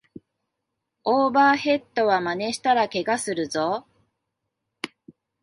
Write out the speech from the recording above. オーバーヘッドはまねしたらケガするぞ